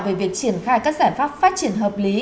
về việc triển khai các giải pháp phát triển hợp lý